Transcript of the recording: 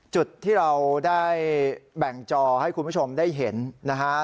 จุดที่เราได้แบ่งจอให้คุณผู้ชมได้เห็นนะฮะ